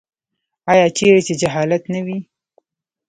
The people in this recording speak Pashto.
آیا چیرې چې جهالت نه وي؟